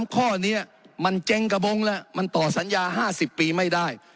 ข้อนี้มันเจ๊งกระบงแล้วมันต่อสัญญา๕๐ปีไม่ได้